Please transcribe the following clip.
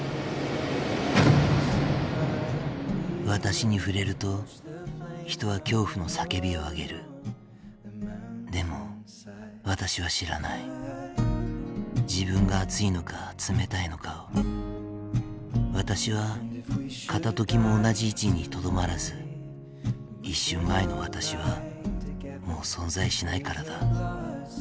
「わたしに触れるとひとは恐怖の叫びをあげるでもわたしは知らない自分が熱いのか冷たいのかをわたしは片時も同じ位置にとどまらず一瞬前のわたしはもう存在しないからだ